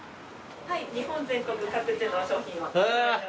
はい日本全国各地の商品を。